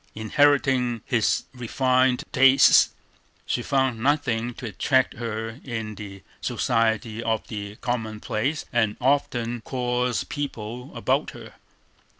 Inheriting his refined tastes, she found nothing to attract her in the society of the commonplace and often coarse people about her.